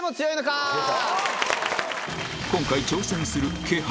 今回挑戦する気配